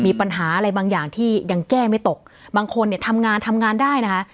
มีปัญหาอะไรบางอย่างที่ยังแก้ไม่ตกบางคนเนี่ยทำงานทำงานได้นะคะ